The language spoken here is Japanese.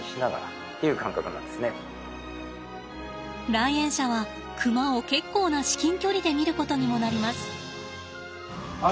来園者はクマを結構な至近距離で見ることにもなります。